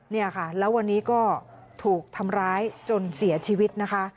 เนี่ยค่ะแล้ววันนี้ก็ถูกทำร้ายจนเสียชีวิตนะคะ